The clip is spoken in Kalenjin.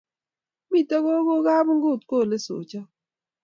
Mito kogo kapungot kole sochot